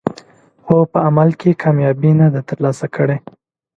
خو په عمل کې کامیابي نه ده ترلاسه کړې.